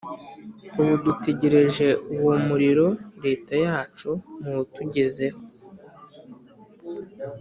ubu dutegereje uwo muriro reta yacu muwutujyezeho